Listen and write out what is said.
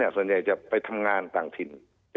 ส่วนใหญ่จะไปทำงานต่างถิ่น